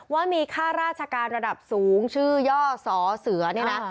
ว่ามีค่าราชการระดับสูงชื่อย่อสอเสือนี่นะ